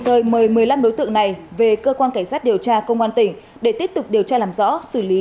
rồi mời một mươi năm đối tượng này về cơ quan cảnh sát điều tra công an tỉnh để tiếp tục điều tra làm rõ xử lý